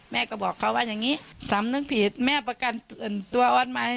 แม่ก็บอกเขาว่าอย่างนี้สำนึกผิดแม่ประกันตื่นตัวออสไหม